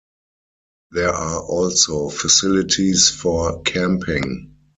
There are also facilities for camping.